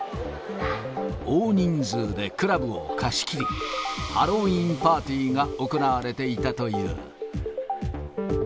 大人数でクラブを貸し切り、ハロウィーンパーティーが行われていたという。